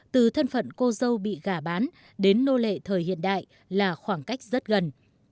từ thân phận cô dâu bị gả bán đến nô lệ thời hiện đại là khoảng cách rất gần